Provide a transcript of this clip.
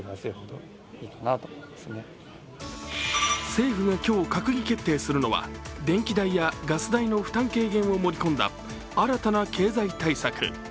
政府が今日、閣議決定するのは電気代やガス代の負担軽減を盛り込んだ新たな経済対策。